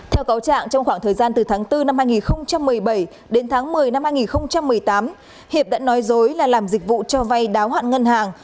theo cáo trạng trong khoảng thời gian từ tháng bốn năm hai nghìn một mươi bảy đến tháng một mươi năm hai nghìn một mươi tám hiệp đã nói dối là làm dịch vụ cho vay đáo hạn ngân hàng